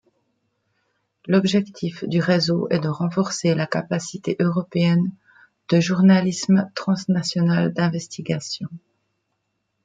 L'objectif du réseau est de renforcer la capacité européenne de journalisme transnational d'investigation.